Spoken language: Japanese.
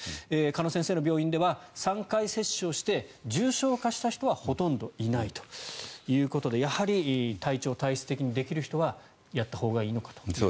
鹿野先生の病院では３回接種をして重症化した人はほとんどいないということでやはり、体調・体質的にできる人はやったほうがいいのかと。